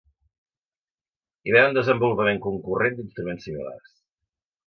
Hi va haver un desenvolupament concurrent d'instruments similars.